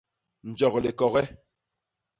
Njok likoge.